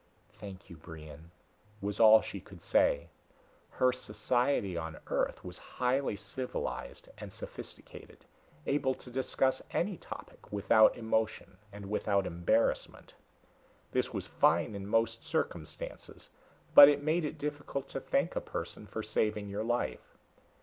"Thank you, Brion," was all she could say. Her society on Earth was highly civilized and sophisticated, able to discuss any topic without emotion and without embarrassment. This was fine in most circumstances, but made it difficult to thank a person for saving your life.